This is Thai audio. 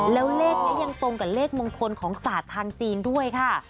แล้วเลขนี้ยังตรงกับเลขมงคลของศาสตร์ทางจีนด้วยค่ะ